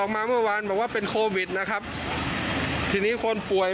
ไม่รับผู้ป่วย